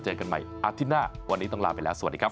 เจอกันใหม่อาทิตย์หน้าวันนี้ต้องลาไปแล้วสวัสดีครับ